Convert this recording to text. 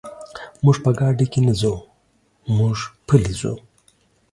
موږ په ګاډي کې نه ځو، موږ پلي ځو.